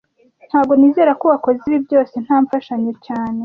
Ntago nizera ko wakoze ibi byose nta mfashanyo cyane